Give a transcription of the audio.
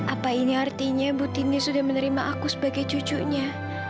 apa ini artinya ibu tini sudah menerima aku sebagai cucunya